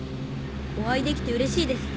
お会いできて嬉しいです。